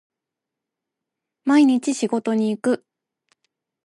毎日仕事に行く